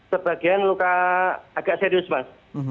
sebagian luka agak serius mas